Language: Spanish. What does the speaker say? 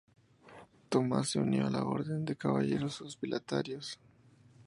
Thomas se unió al orden de Caballeros Hospitalarios.